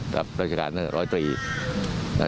จะรับรัชกาลร้อยปรี